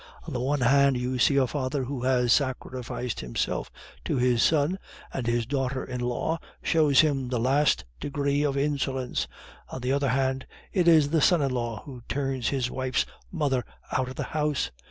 On the one hand you see a father who has sacrificed himself to his son, and his daughter in law shows him the last degree of insolence. On the other hand, it is the son in law who turns his wife's mother out of the house.